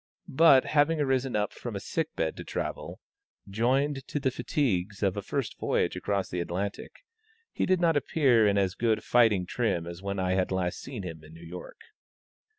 But, having arisen up from a sick bed to travel, joined to the fatigues of a first voyage across the Atlantic, he did not appear in as good fighting trim as when I had last seen him in New York.